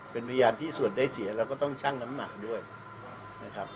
เป็นพยานที่ส่วนได้เสียเราก็ต้องชั่งน้ำหนักด้วยนะครับ